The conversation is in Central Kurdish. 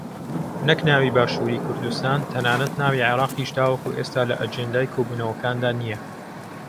نەک ناوی باشووری کوردستان تەنانەت ناوی عێراقیش تاوەکو ئێستا لە ئەجێندای کۆبوونەوەکاندا نییە